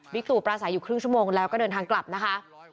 ตู่ปราศัยอยู่ครึ่งชั่วโมงแล้วก็เดินทางกลับนะคะ